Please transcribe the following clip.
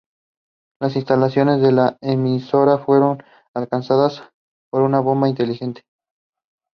He went to college at Troy State.